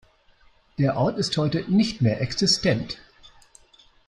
Der Ort ist heute nicht mehr existent.